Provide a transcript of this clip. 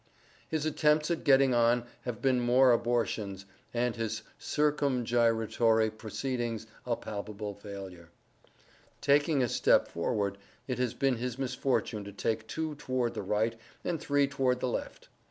"His attempts at getting on have been mere abortions, and his circumgyratory proceedings a palpable failure. Taking a step forward, it has been his misfortune to take two toward the right, and three toward the left.